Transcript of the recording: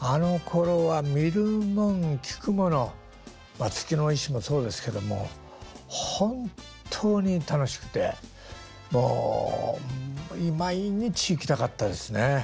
あのころは見るもん聞くものまあ月の石もそうですけども本当に楽しくてもう毎日行きたかったですね。